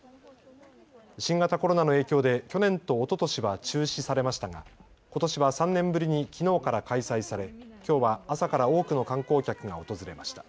新型コロナの影響で去年とおととしは中止されましたがことしは３年ぶりにきのうから開催されきょうは朝から多くの観光客が訪れました。